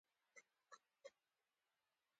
غریب د خپلو ارمانونو لپاره ژاړي